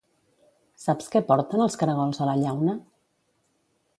Saps què porten els caragols a la llauna?